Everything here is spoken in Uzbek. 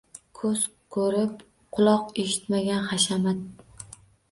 Ko‘z ko‘rib, quloq eshitmagan hashamat